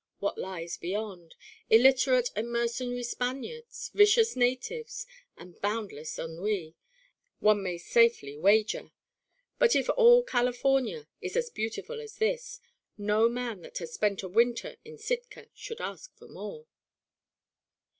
What lies beyond? Illiterate and mercenary Spaniards, vicious natives, and boundless ennui, one may safely wager. But if all California is as beautiful as this, no man that has spent a winter in Sitka should ask for more."